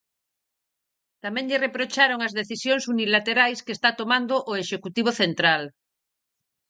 Tamén lle reprocharon as decisións unilaterais que está tomando o executivo central.